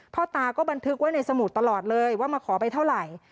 พ่อตาก็บันทึกไว้ในสมุดตลอดเลยว่ามาขอไปเท่าไหร่